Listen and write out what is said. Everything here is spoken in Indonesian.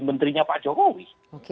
menterinya pak jokowi